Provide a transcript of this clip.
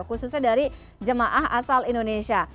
khususnya dari jemaah asal indonesia